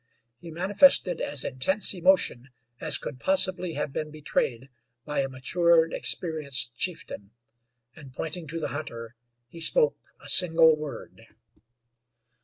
He manifested as intense emotion as could possibly have been betrayed by a matured, experienced chieftain, and pointing to the hunter, he spoke a single word.